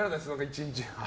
１日。